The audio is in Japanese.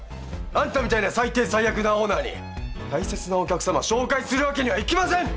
あんたみたいな最低最悪なオーナーに大切なお客様紹介するわけにはいきません！